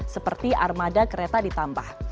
seperti armada kereta ditambah